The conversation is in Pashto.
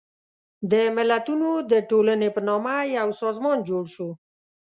د ملتونو د ټولنې په نامه یو سازمان جوړ شو.